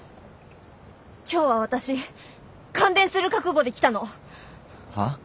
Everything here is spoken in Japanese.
今日は私感電する覚悟で来たの。は？